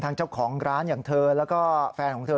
เจ้าของร้านอย่างเธอแล้วก็แฟนของเธอ